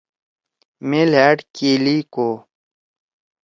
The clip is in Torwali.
مے لھأڑ کیلی کو۔